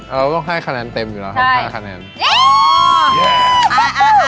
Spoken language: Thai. เราต้องให้คะแนนเต็มอยู่แล้วครับ๕คะแนน